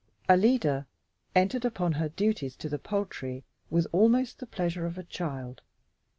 Alida entered upon her duties to the poultry with almost the pleasure of a child.